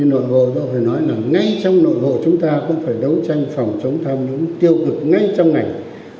nhưng nội hồ tôi phải nói là ngay trong nội hồ chúng ta cũng phải đấu tranh phòng chống tham nhũng tiêu cực ngay trong ngành